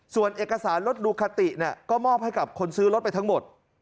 ส่วนเอกสารรถดูคาติก็มอบให้กับคนซื้อรถไปทั้งหมด